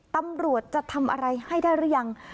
ตำรวจจะทำอะไรให้ได้หรือยัง